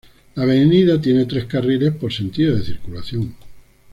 La avenida tiene tres carriles por sentido de circulación.